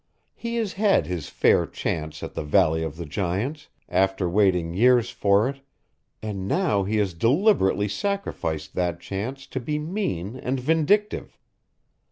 He has had his fair chance at the Valley of the Giants, after waiting years for it, and now he has deliberately sacrificed that chance to be mean and vindictive.